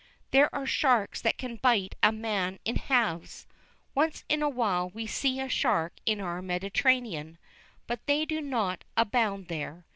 There are sharks that can bite a man in halves. Once in awhile we see a shark in our Mediterranean, but they do not abound there.